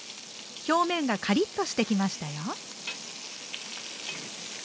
表面がカリッとしてきましたよ。